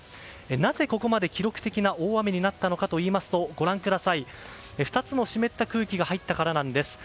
なぜここまで記録的な大雨になったのかといいますと２つの湿った空気が入ったからなんです。